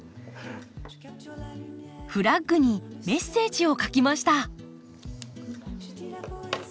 フラッグにメッセージを書きました。